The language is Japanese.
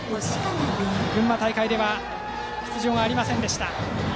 群馬大会では出場がありませんでした。